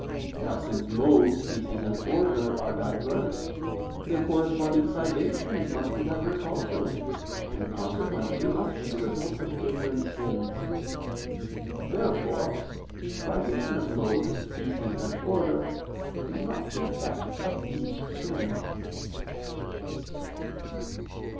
Now since mode, species and order are diverse, their corresponding privations must be diverse also, and, consequently, must be the result of different sins. Therefore privation of mode, species and order is not the effect of each sin.